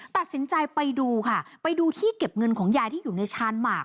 ตัดสินใจไปดูค่ะไปดูที่เก็บเงินของยายที่อยู่ในชานหมาก